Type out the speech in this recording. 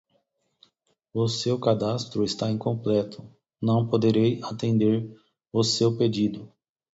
O seu cadastro está incompleto, não poderei atender o seu pedido.